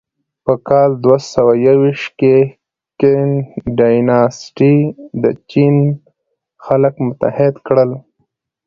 په کال دوهسوهیوویشت کې کین ډایناسټي د چین خلک متحد کړل.